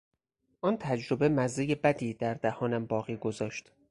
آن تجربه مزهی بدی دردهانم باقی گذاشت.